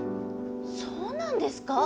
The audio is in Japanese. そうなんですか？